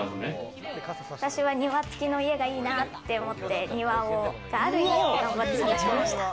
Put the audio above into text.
私は庭付きの家がいいなって思って、庭がある家を頑張って探しました。